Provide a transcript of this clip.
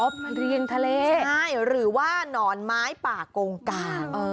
เรียงทะเลใช่หรือว่าหนอนไม้ป่ากงกลาง